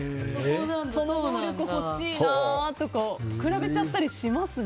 その能力欲しいなって比べちゃったりしますね。